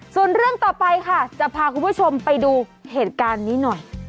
ส่วนเรื่องต่อไปค่ะจะพาคุณผู้ชมไปดูเหตุการณ์นี้หน่อย